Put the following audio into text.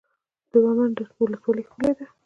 د دوه منده ولسوالۍ ښکلې ده